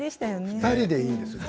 ２人でいいんですね。